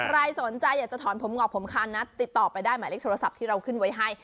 ใครสนใจอยากจะถอนผมงอกผมคานนะติดต่อไปได้หมายเลขโทรศัพท์ที่เราขึ้นไว้ให้